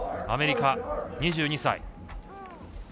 アメリカ、２２歳。